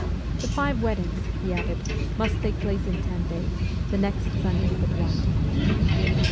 The five weddings, he added, must take place in ten days, the next Sunday but one.